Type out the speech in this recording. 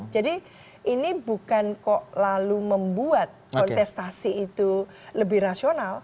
jadi ini bukan kok lalu membuat kontestasi itu lebih rasional